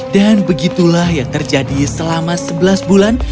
dan begitulah yang terjadi selama sebelas bulan